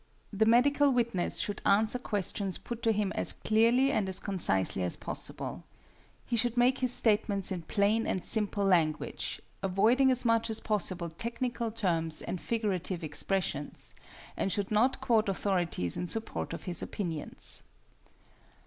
The medical witness should answer questions put to him as clearly and as concisely as possible. He should make his statements in plain and simple language, avoiding as much as possible technical terms and figurative expressions, and should not quote authorities in support of his opinions.